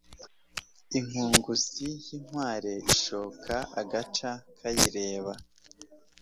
Inkunguzi y’inkware ishoka agaca kayireba